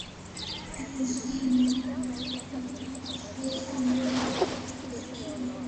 As in Spain, the Inquisition was placed under the authority of the king.